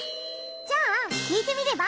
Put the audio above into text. じゃきいてみれば？